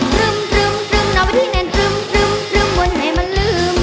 ดรึมดรึมดรึมน่าเวทีแน่นดรึมดรึมดรึมวันให้มันลืม